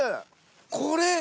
これ？